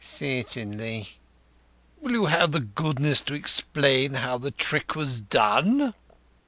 "Certainly." "Will you have the goodness to explain how the trick was done?"